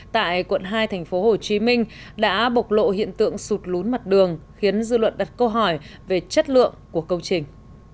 tại quận hai tp hcm đã bộc lộ hiện tượng sụt lún mặt đường khiến dư luận đặt câu hỏi về chất lượng của công trình